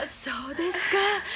そうですか。